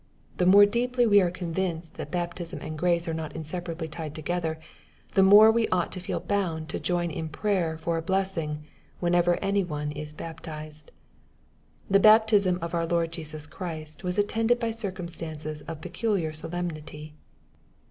The more deeply we are convinced that baptism and grace are not inseparably tied together, the more we ought to feel bound to join in prayer for a blessing, whenever any one is baptized. The baptism of our Lord Jesus Christ was attended by circumstances of peculiar solemnity.